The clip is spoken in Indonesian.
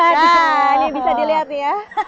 nah ini bisa dilihat nih ya